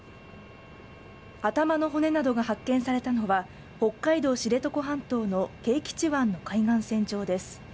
頭の骨などが発見されたのは、北海道知床半島の啓吉湾の海岸線上です。